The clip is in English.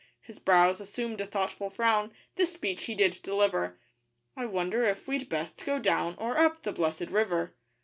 His brows assumed a thoughtful frown This speech he did deliver: 'I wonder if we'd best go down 'Or up the blessed river?